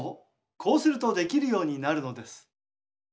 こうするとできるようになるのです。